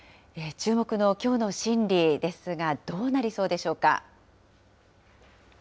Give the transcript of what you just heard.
注目のきょうの審理ですが、どうなりそうでしょうか。